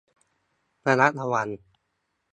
ระมัดระวัง